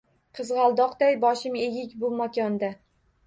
Qizg’aldoqday boshim egik bu makonda